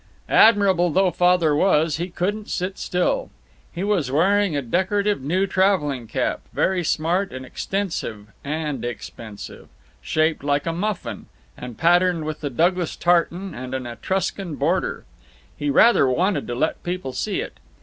Admirable though Father was, he couldn't sit still. He was wearing a decorative new traveling cap, very smart and extensive and expensive, shaped like a muffin, and patterned with the Douglas tartan and an Etruscan border. He rather wanted to let people see it.